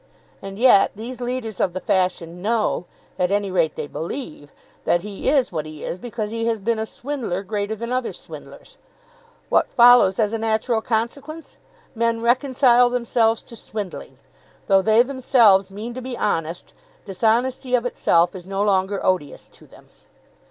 And yet these leaders of the fashion know, at any rate they believe, that he is what he is because he has been a swindler greater than other swindlers. What follows as a natural consequence? Men reconcile themselves to swindling. Though they themselves mean to be honest, dishonesty of itself is no longer odious to them.